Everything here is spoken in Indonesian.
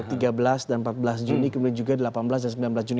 tiga belas dan empat belas juni kemudian juga delapan belas dan sembilan belas juni